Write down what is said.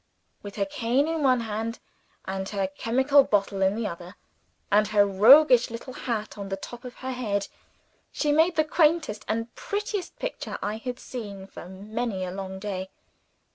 With her cane in one hand, and her chemical bottle in the other and her roguish little hat on the top of her head she made the quaintest and prettiest picture I had seen for many a long day.